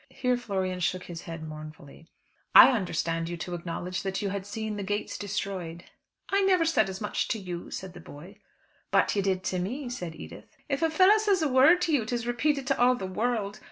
Here Florian shook his head mournfully. "I understood you to acknowledge that you had seen the gates destroyed." "I never said as much to you," said the boy. "But you did to me," said Edith. "If a fellow says a word to you, it is repeated to all the world.